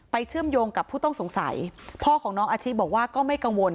เชื่อมโยงกับผู้ต้องสงสัยพ่อของน้องอาชิบอกว่าก็ไม่กังวล